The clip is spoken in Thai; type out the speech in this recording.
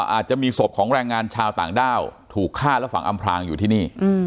อาจจะมีศพของแรงงานชาวต่างด้าวถูกฆ่าและฝังอำพลางอยู่ที่นี่